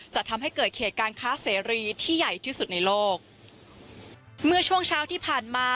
จะทำให้เกิดเขตการค้าเสรีที่ใหญ่ที่สุดในโลกเมื่อช่วงเช้าที่ผ่านมา